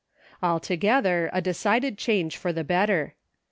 Altogether a decided change for the better.